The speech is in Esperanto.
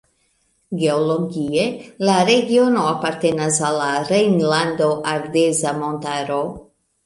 Geologie la regiono apartenas al la Rejnlanda Ardeza Montaro.